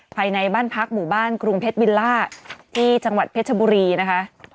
ภายในบ้านพักหมู่บ้านกรุงเพชรวิลล่าที่จังหวัดเพชรบุรีนะคะ